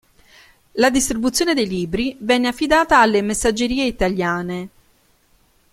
La distribuzione dei libri venne affidata alle "Messaggerie Italiane".